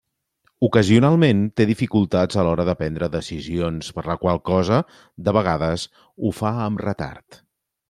Ocasionalment té dificultats a l'hora de prendre decisions, per la qual cosa, de vegades ho fa amb retard.